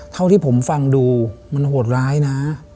เท่าที่ผมฟังดูมันโหดร้ายนะ